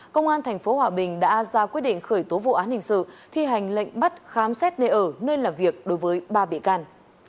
công an tp hòa bình đã ra quyết định khởi tố vụ án hình sự thi hành lệnh bắt khám xét nơi ở nơi làm việc đối với ba bị can